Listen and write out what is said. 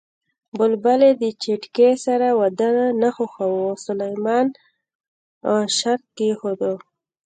بلبلې د چتکي سره واده نه خوښاوه او سلیمان ع شرط کېښود